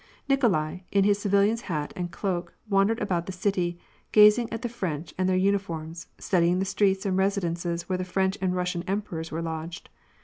Nikolai, in his civilian's hat and coat, wandered about the city, gazing at the French and their uniforms, studying the streets and residences where the French and Russian emperors were lodged.